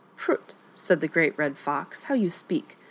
" Prut !" said the Great Red Fox, " how you speak